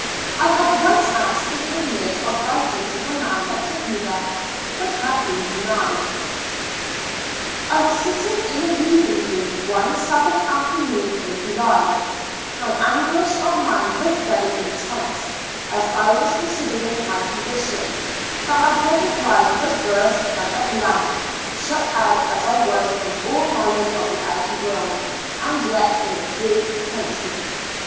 I had once asked the privilege of writing to the man that took me there, but had been denied. I was sitting in the reading room one Sabbath afternoon in July; my anguish of mind was very intense, as I was consider ing my condition — that my present life was worse than a blank, shut out as I was from all knowledge of the outer world, and yet in a free country.